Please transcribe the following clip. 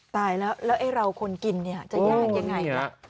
ตายแล้วแล้วไอ้เราคนกินเนี่ยจะยากยังไงล่ะ